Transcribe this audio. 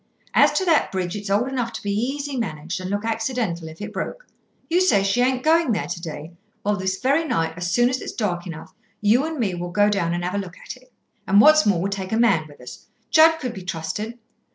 As to that bridge, it's old enough to be easy managed, and look accidental if it broke. You say she ain't going there to day. Well, this very night, as soon as it's dark enough, you and me will go down and have a look at it. And what's more, we'll take a man with us. Judd could be trusted.